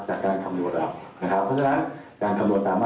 ดังนั้นตลอดสัปดาห์นี้ถ้ามีการถกเถียงกันอีกว่าสูตรนั้นสูตรนี้นะครับ